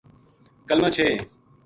کلمہ چھہ ہیں،